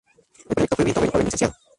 El proyecto fue bien tomado por el Lic.